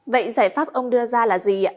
vậy giải pháp ông đưa ra là gì